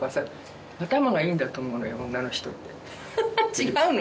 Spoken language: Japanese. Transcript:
違うの？